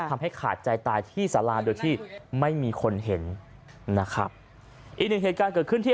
ทำให้ขาดใจตายที่สาราโดยที่ไม่มีคนเห็นนะครับอีกหนึ่งเหตุการณ์เกิดขึ้นที่